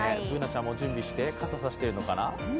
Ｂｏｏｎａちゃんも準備して、傘を差しているのかな。